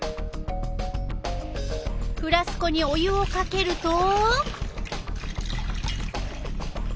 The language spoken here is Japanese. フラスコにお湯をかけると。